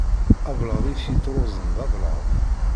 Ablaḍ i t-yettruẓen ablaḍ.